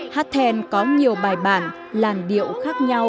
hát then có nhiều bài bản làn điệu khác nhau